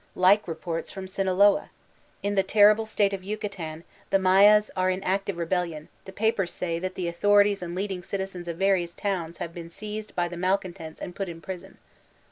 'Like reports from SinakML In the terrible state of Yucatan, the Mayas are in active rebellion; the reports say that "the authorities and leading citizens of various towns have been seized by the malcontents and put in prison."